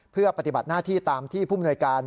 เพื่อปฏิบัติหน้าที่ตามที่ผู้มนวยการ